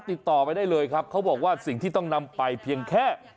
ติดต่อไปได้เลยครับเขาบอกว่าสิ่งที่ต้องนำไปเพียงแค่